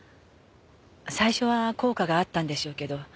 最初は効果があったんでしょうけど